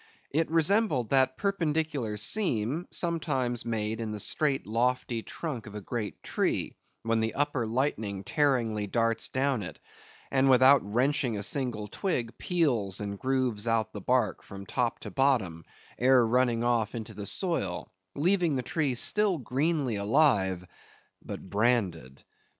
It resembled that perpendicular seam sometimes made in the straight, lofty trunk of a great tree, when the upper lightning tearingly darts down it, and without wrenching a single twig, peels and grooves out the bark from top to bottom, ere running off into the soil, leaving the tree still greenly alive, but branded.